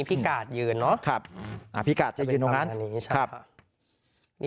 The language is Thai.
พี่กัดจะยืนตรงนั้น